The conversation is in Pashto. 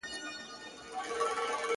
کابل به وي- فرنګ به وي خو اکبر خان به نه وي-